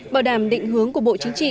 bảo đảm định hướng của bộ chính trị